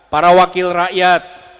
para wakil rakyat